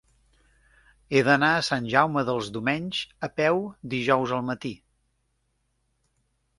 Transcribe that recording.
He d'anar a Sant Jaume dels Domenys a peu dijous al matí.